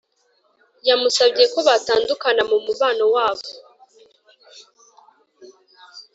yamusabye ko batandukana mumubano wabo